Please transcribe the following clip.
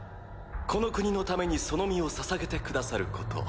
この国のためにその身をささげてくださること